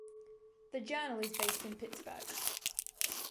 The journal is based in Pittsburgh.